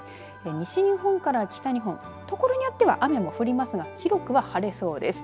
西日本から北日本所によっては雨も降りますが広く覆わ、晴れそうです。